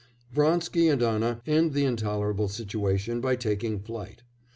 Vronsky and Anna end the intolerable situation by taking flight.